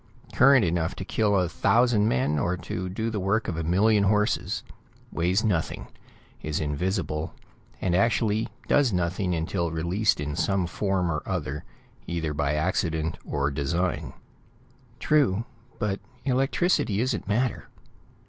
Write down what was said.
Current enough to kill a thousand men, or to do the work of a million horses, weighs nothing, is invisible, and actually does nothing until released in some form or other, either by accident or design." "True, but electricity isn't matter.